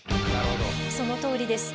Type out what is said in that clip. そのとおりです。